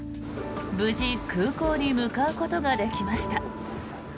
無事、空港に向かうことができました。